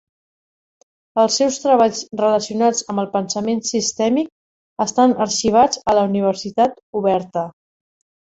Els seus treballs relacionats amb el pensament sistèmic estan arxivats a la Universitat Oberta.